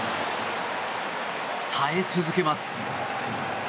耐え続けます。